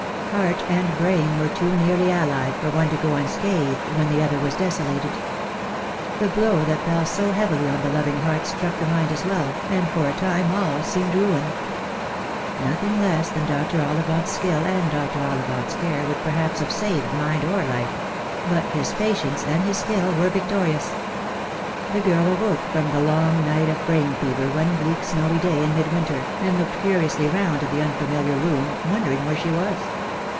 Heart and brain were too nearly allied for one to go unscathed when the other was desolated. The blow that fell so heavily on the loving heart struck the mind as well, and for a time all seemed ruin. Nothing less than Dr. Olli vant's skill and Dr. Ollivant's care would perhaps have saved mind or life; but his patience and his skill were victorious. The girl awoke from the long night of brain fever one bleak snowy day in midwinter, and looked curiously round at the unfamiliar room, wondering where she was.